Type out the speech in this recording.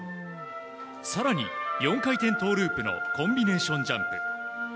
更に４回転トウループのコンビネーションジャンプ。